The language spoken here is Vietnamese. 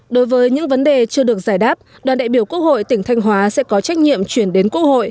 đối với những vấn đề chưa được giải đáp đoàn đại biểu quốc hội tỉnh thanh hóa sẽ có trách nhiệm chuyển đến quốc hội